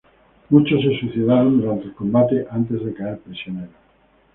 Muchos se suicidaron durante el combate antes de caer prisioneros.